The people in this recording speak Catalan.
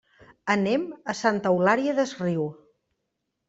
Anem a Santa Eulària des Riu.